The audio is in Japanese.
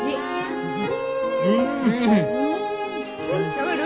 食べる？